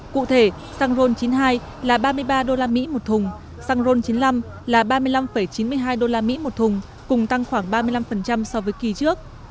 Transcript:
cụ thể xăng ron chín mươi hai là ba mươi ba usd một thùng xăng rôn chín mươi năm là ba mươi năm chín mươi hai usd một thùng cùng tăng khoảng ba mươi năm so với kỳ trước